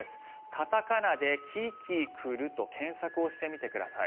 片仮名でキキクルと検索をしてみてください。